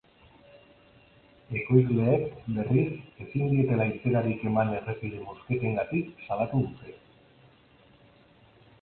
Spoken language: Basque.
Ekoizleek, berriz, ezin dietela irteerarik eman errepide mozketengatik salatu dute.